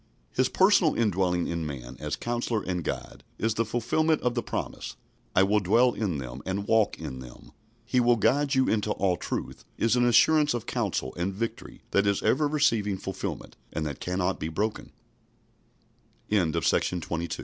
His personal indwelling in man, as Counsellor and Guide, is the fulfilment of the promise "I will dwell in them, and walk in them." "He will guide you into all truth" is an assurance of counsel and victory that is ever receiving fulfilment, and that can